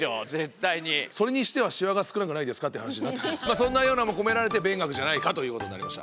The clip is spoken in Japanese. そんなようなのも込められて勉学じゃないかということになりました。